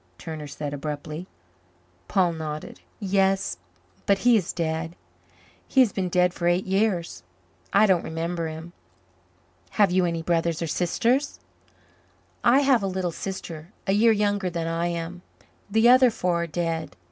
Turner said abruptly. Paul nodded. "Yes, but he is dead. He has been dead for eight years. I don't remember him." "Have you any brothers or sisters?" "I have a little sister a year younger than I am. The other four are dead.